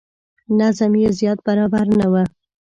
نظم یې زیات برابر نه و.